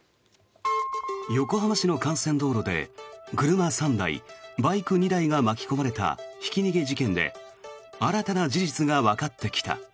横浜市の幹線道路で車３台バイク２台が巻き込まれたひき逃げ事件で新たな事実がわかってきた。